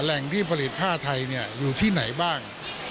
แหล่งที่ผลิตผ้าไทยอยู่ที่ไหนบ้าง